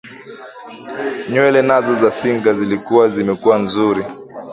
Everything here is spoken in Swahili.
Nywele nazo za singa zilikuwa zimekuzwa vizuri